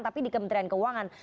tapi di kementerian keuangan